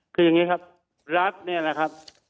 คือยังไงครับรัฐนี่นะครับ